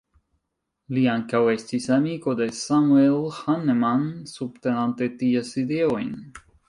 Li ankaŭ estis amiko de Samuel Hahnemann subtenante ties ideojn.